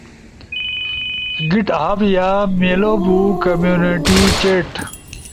گٹ ہب یا میلو بو کمینونیٹی چیٹ۔